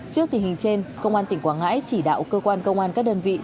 trước tình hình trên công an tỉnh quảng ngãi chỉ đạo cơ quan công an các đơn vị